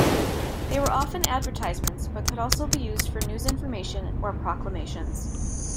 They were often advertisements, but could also be used for news information or proclamations.